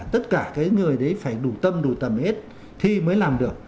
tất cả cái người đấy phải đủ tâm đủ tầm ít thi mới làm được